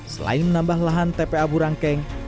selain menambah lahan tpa burangkeng